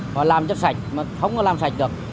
họ làm cho sạch mà không có làm sạch được